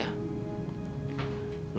lu udah bergabung lagi di sini